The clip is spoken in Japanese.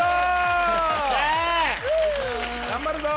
頑張るぞ！